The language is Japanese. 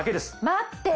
待って！